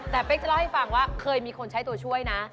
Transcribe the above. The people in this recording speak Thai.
แต่เป๊กจะเล่าให้ฟังว่าเคยมีคนใช้ตัวช่วยนะ